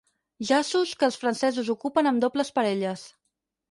Jaços que els francesos ocupen amb dobles parelles.